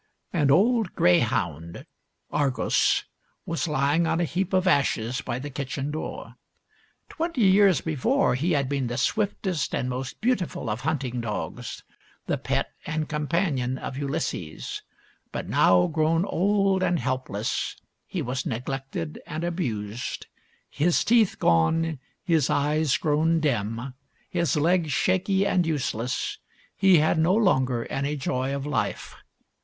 An old greyhound, Argos, was lying on a heap l68 THIRTY MORE FAMOUS STORIES of ashes by the kitchen door. Twenty years before he had been the swiftest and most beautiful of hunt ing dogs — the pet and companion of Ulysses. But now, grown old and helpless, he was neglected and abused. His teeth gone, his eyes grown dim, his legs shaky and useless, he had no longer any joy of life.